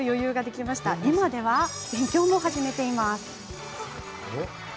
今では勉強まで始めています。